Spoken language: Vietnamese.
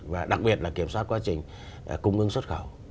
và đặc biệt là kiểm soát quá trình cung ứng xuất khẩu